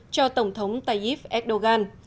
cho tổng thống tayyip erdogan